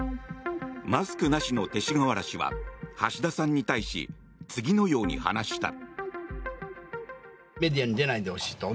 マスクなしの勅使河原氏は橋田さんに対し次のように話した。